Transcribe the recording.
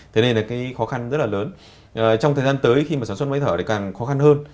thế nên là cái khó khăn rất là lớn trong thời gian tới khi mà sản xuất máy thở thì càng khó khăn hơn